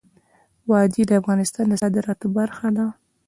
وادي د افغانستان د صادراتو برخه ده.